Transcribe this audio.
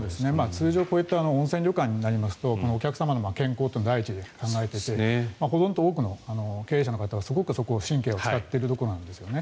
通常こういった温泉旅館となりますとお客様の健康というのを第一に考えていて多くの経営者の方はそこに神経を使っているところなんですね。